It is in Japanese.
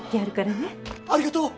ありがとう！